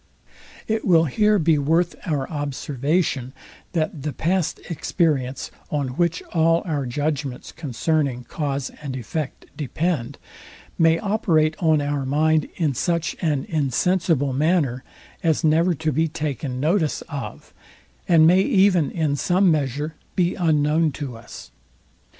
It will here be worth our observation, that the past experience, on which all our judgments concerning cause and effect depend, may operate on our mind in such an insensible manner as never to be taken notice of, and may even in some measure be unknown to us.